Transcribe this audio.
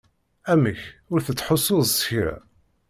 Amek ur tettḥussuḍ s kra?